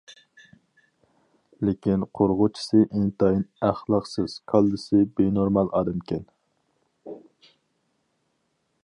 لېكىن قۇرغۇچىسى ئىنتايىن ئەخلاقسىز كاللىسى بىنورمال ئادەمكەن.